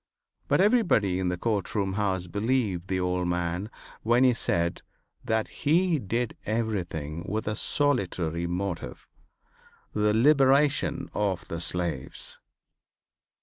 But everybody in the court house believed the old man when he said that he did everything with a solitary motive, the liberation of the slaves.